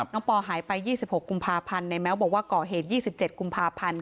ปอหายไป๒๖กุมภาพันธ์ในแม้วบอกว่าก่อเหตุ๒๗กุมภาพันธ์